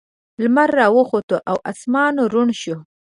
لمر راوخوت او اسمان روڼ شو.